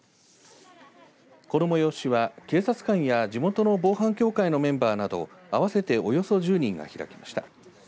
この催しは警察官や地元の防犯協会のメンバーなど合わせておよそ１０人が開きました。